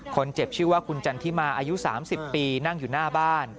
คนเจ็บชื่อว่าคุณจันทิมาอายุ๓๐ปีนั่งอยู่หน้าบ้าน